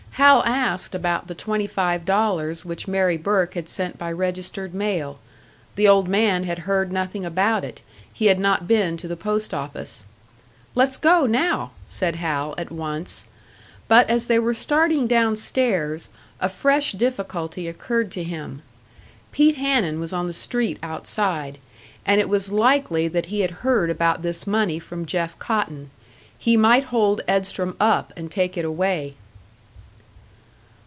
Hal asked about the twenty five dollars which Mary Burke had sent by registered mail; the old man had heard nothing about it, he had not been to the post office. "Let's go now!" said Hal, at once; but as they were starting downstairs, a fresh difficulty occurred to him. Pete Hanun was on the street outside, and it was likely that he had heard about this money from Jeff Cotton; he might hold Edstrom up and take it away.